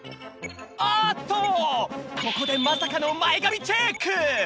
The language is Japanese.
あっとここでまさかの前髪チェック！